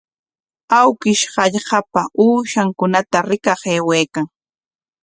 Awkish hallqapa uushankunata rikaq aywaykan.